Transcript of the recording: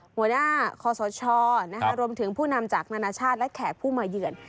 หัวหน้าคอสชรวมถึงผู้นำจากนานาชาติและแขกผู้มาเยือน